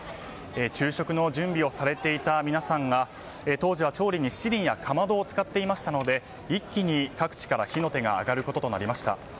昼食の準備をされていた皆さんが当時は調理に七輪やかまどを使っていたので一気に各地から火の手が上がることとなりました。